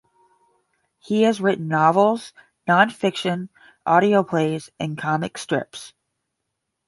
He has written novels, non-fiction, audio plays and comic scripts.